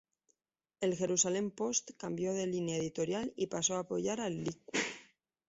El "Jerusalem Post" cambio de línea editorial y pasó a apoyar al Likud.